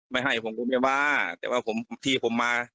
ไม่ให้ผมก็ไม่ว่าแต่ว่าผมที่ผมมา